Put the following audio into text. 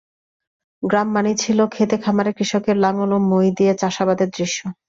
গ্রাম মানেই ছিল ক্ষেতে খামারে কৃষকের লাঙল ও মই দিয়ে চাষাবাদের দৃশ্য।